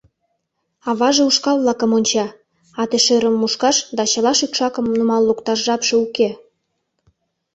Аваже ушкал-влакым онча, ате-шӧрым мушкаш да чыла шӱкшакым нумал лукташ жапше уке.